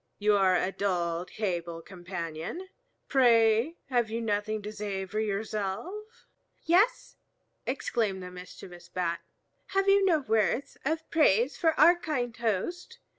You are a dull table companion. Pray, have you nothing to say for yourself?" "Yes," exclaimed the mischievous Bat, "have you no words of praise for our kind host?